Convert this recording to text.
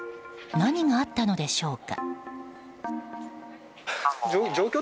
何があったのでしょうか？